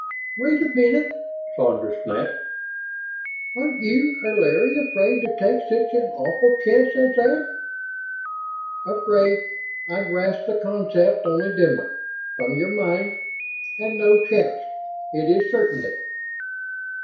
"Wait a minute!" Sandra snapped. "Aren't you or Larry afraid to take such an awful chance as that?" "Afraid? I grasp the concept only dimly, from your minds. And no chance. It is certainty."